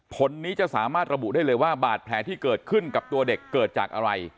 ผลนี้จะสามารถระบุได้เลยว่าบาดแผลที่เกิดขึ้นกับตัวเด็กเกิดจากอะไร